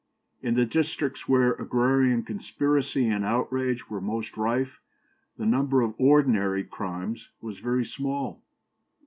In the districts where agrarian conspiracy and outrage were most rife, the number of ordinary crimes was very small.